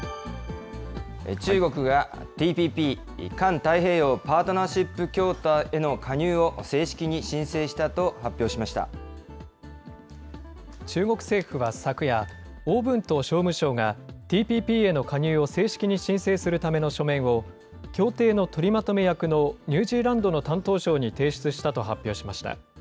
中国がＴＰＰ・環太平洋パートナーシップ協定への加入を正式に申中国政府は昨夜、王文涛商務相が、ＴＰＰへの加入を正式に申請するための書面を、協定の取りまとめ役のニュージーランドの担当相に提出したと発表しました。